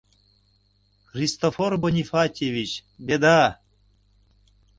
— Христофор Бонифатьевич, «Беда»!